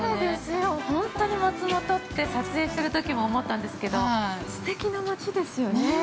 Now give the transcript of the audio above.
本当に松本って撮影しているときも思ったんですけどすてきな町ですよね。